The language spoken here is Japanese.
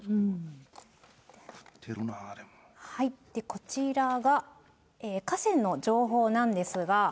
こちらが河川の情報なんですが。